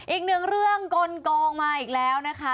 อีกหนึ่งเรื่องกลงมาอีกแล้วนะคะ